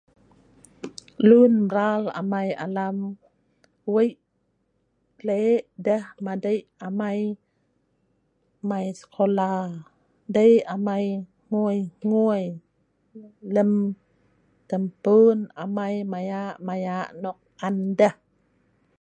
Lun mral amai alam, wei lek deh madei amai lem sekolah. Dei arai hngui-hngui lem tempun(hmung) maya 2x nok an(on) deh